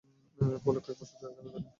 ফলে কয়েক বছর জেলখানায় থাকেন।